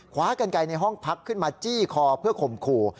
กันไกลในห้องพักขึ้นมาจี้คอเพื่อข่มขู่